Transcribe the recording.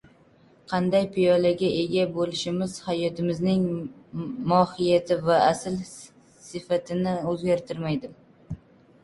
Qanday piyolaga ega boʻlishimiz hayotimizning mohiyati va asl sifatini oʻzgartirmaydi.